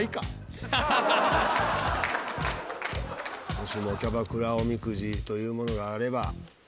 もしもキャバクラおみくじというものがあれば。